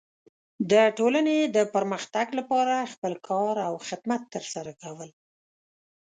د ټولنې د پرمختګ لپاره خپل کار او خدمت ترسره کول.